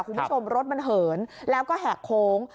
คุณผู้ชมรถมันเหินแล้วก็แหกโค้ง